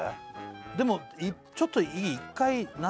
でもちょっといい？